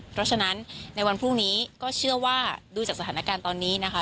เพราะฉะนั้นในวันพรุ่งนี้ก็เชื่อว่าดูจากสถานการณ์ตอนนี้นะคะ